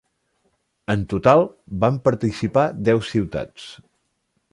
En total van participar deu ciutats.